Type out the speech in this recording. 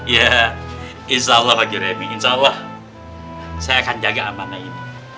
ya insya allah bagi remi insya allah saya akan jaga amanah ini